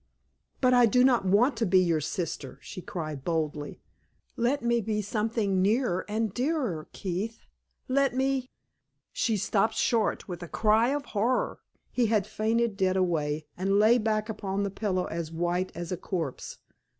"But I do not want to be your sister," she cried, boldly. "Let me be something nearer and dearer, Keith. Let me " She stopped short with a cry of horror. He had fainted dead away, and lay back upon the pillow as white as a corpse.